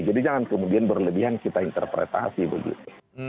jadi jangan kemudian berlebihan kita interpretasi begitu